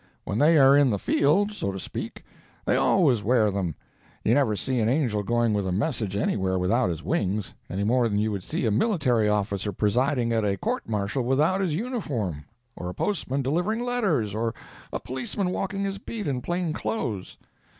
When they are in the field—so to speak,—they always wear them; you never see an angel going with a message anywhere without his wings, any more than you would see a military officer presiding at a court martial without his uniform, or a postman delivering letters, or a policeman walking his beat, in plain clothes.